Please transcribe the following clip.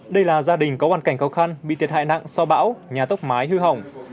đây là gia đình có hoàn cảnh khó khăn bị thiệt hại nặng sau bão nhà tốc mái hư hỏng